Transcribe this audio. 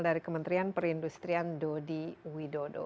dari kementerian perindustrian dodi widodo